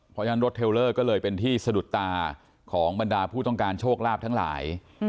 เพราะฉะนั้นรถเทลเลอร์ก็เลยเป็นที่สะดุดตาของบรรดาผู้ต้องการโชคลาภทั้งหลาย